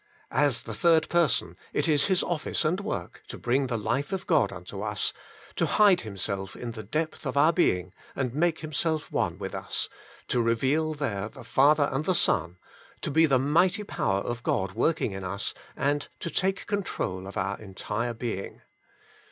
As the Third Person, it is His office and work to bring the life of God unto us, to hide Himself in the depth of our being and make Himself one with us, to reveal there the Father and the Son, to be the mighty Power of God work ing in us, and to take control of our entire being.